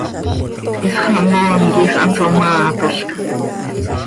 Isxamón quij hanso maatolca.